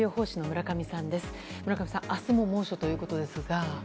村上さん明日も猛暑ということですが。